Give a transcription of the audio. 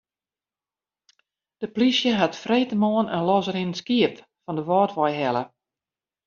De polysje hat freedtemoarn in losrinnend skiep fan de Wâldwei helle.